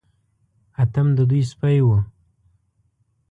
اتم د دوی سپی و.